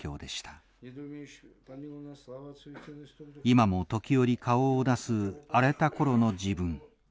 今も時折顔を出す荒れたころの自分。